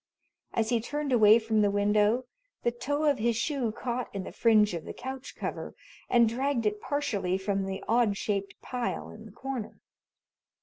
As he turned away from the window the toe of his shoe caught in the fringe of the couch cover and dragged it partially from the odd shaped pile in the corner.